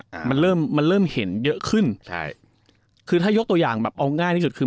อืมมันเริ่มมันเริ่มเห็นเยอะขึ้นใช่คือถ้ายกตัวอย่างแบบเอาง่ายที่สุดคือ